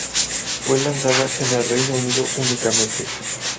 Fue lanzada en el Reino Unido únicamente.